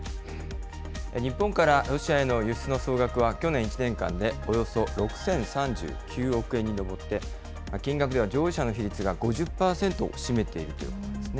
日本からロシアへの輸出の総額は、去年１年間でおよそ６０３９億円に上って、金額では乗用車の比率が５０％を占めているというんですね。